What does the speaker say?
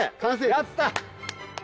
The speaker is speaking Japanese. やった！